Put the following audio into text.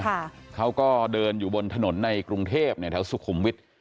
เขาก็เดินอยู่บนถนนในกรุงเทพเนี่ยแถวสุขุมวิทย์